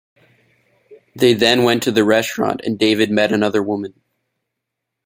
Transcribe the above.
They then went to a restaurant and David met another woman.